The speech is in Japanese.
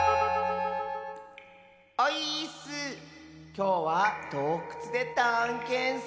きょうはどうくつでたんけんッス。